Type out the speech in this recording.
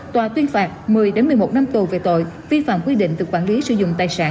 tòa tuyên phạt một mươi một mươi một năm tù về tội vi phạm quy định về quản lý sử dụng tài sản